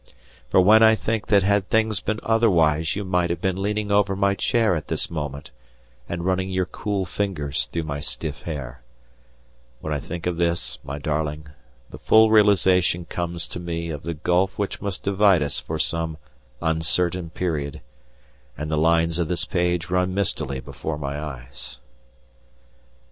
For when I think that had things been otherwise you might have been leaning over my chair at this moment, and running your cool fingers through my stiff hair; when I think of this, my darling, the full realization comes to me of the gulf which must divide us for some uncertain period, and the lines of this page run mistily before my eyes.